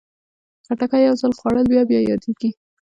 خټکی یو ځل خوړل بیا بیا یادېږي.